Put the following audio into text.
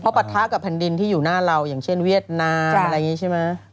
ปะทะกับแผ่นดินที่อยู่หน้าเราอย่างเช่นเวียดนามอะไรอย่างนี้ใช่ไหม